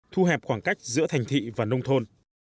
thu hẹp khoảng cách giữa thành thị và nông thôn